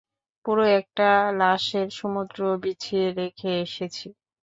পুরো একটা লাশের সমুদ্র বিছিয়ে রেখে এসেছি।